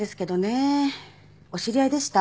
お知り合いでした？